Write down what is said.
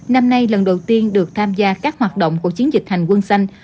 năm nay lần đầu tiên được tham gia các hoạt động của chiến dịch hành quân xanh